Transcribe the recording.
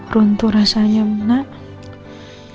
runtuh rasanya menang